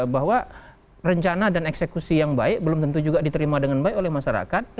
bahwa rencana dan eksekusi yang baik belum tentu juga diterima dengan baik oleh masyarakat